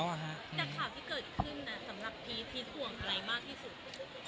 สำหรับพีทพีทห่วงอะไรมากที่สุด